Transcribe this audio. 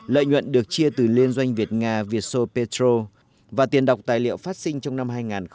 lợi nhuận được chia từ liên doanh việt nga việt sô petro và tiền đọc tài liệu phát sinh trong năm hai nghìn một mươi bảy